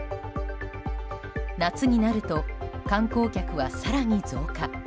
夏になると観光客は更に増加。